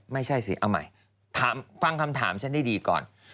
ไม่ใช่สิเอาใหม่ฟังคำถามฉันได้ดีก่อน